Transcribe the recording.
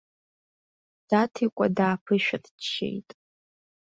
Даҭикәа дааԥышәырччеит.